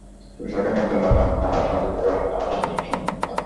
শুধু সরকারি নিয়ন্ত্রণ নয়, সামাজিকভাবেও আমাদের নানা বাধানিষেধের সম্মুখীন হতে হয়।